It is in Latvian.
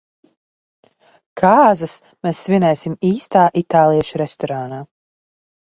Kāzas mēs svinēsim īstā itāliešu restorānā.